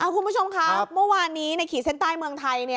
คุณผู้ชมครับเมื่อวานนี้ในขีดเส้นใต้เมืองไทย